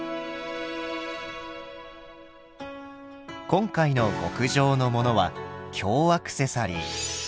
今回の極上のモノは「京アクセサリー」。